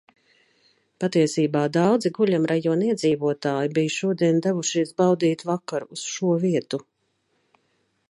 Patiesībā daudzi guļamrajona iedzīvotāji bija šodien devušies baudīt vakaru uz šo vietu.